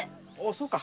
そうか。